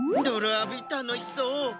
どろあびたのしそう。